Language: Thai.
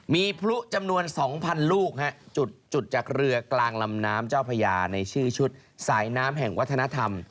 มีพลุจำนวน๒๐๐ลูกจุดจากเรือกลางลำน้ำเจ้าพญาในชื่อชุดสายน้ำแห่งวัฒนธรรม